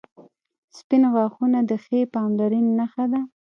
• سپین غاښونه د ښې پاملرنې نښه ده.